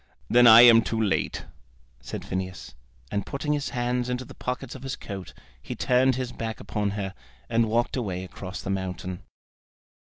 "Then I am too late," said Phineas, and putting his hands into the pockets of his coat, he turned his back upon her, and walked away across the mountain.